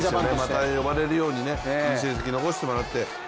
また呼ばれるように、成績残してもらって。